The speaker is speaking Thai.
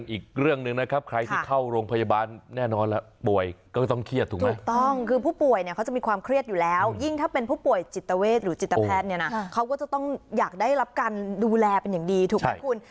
อีกเรื่องนึงนะครับใครที่เข้าแน่นอนแล้วบ่อยก็ต้องเครียดถูกไหม